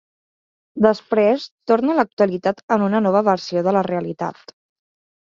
Després torna a l'actualitat en una nova versió de la realitat.